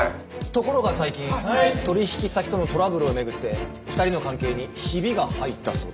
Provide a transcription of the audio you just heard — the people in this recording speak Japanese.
ところが最近取引先とのトラブルを巡って２人の関係にひびが入ったそうです。